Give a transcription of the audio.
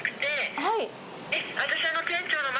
はい。